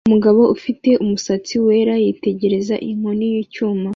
Umugabo ufite umusatsi wera yitegereza inkoni y'icyuma